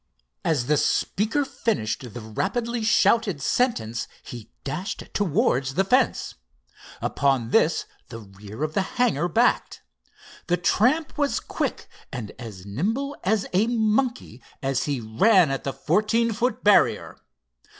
As the speaker finished the rapidly shouted sentence he dashed towards the fence. Upon this the rear of the hangar backed. The tramp was quick, and as nimble as a monkey as he ran at the fourteen foot barrier.